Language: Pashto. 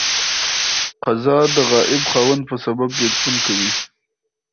قضا د غائب خاوند په سبب بيلتون کوي.